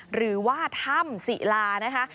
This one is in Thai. หรือว่าถ้ำศิลานะคะ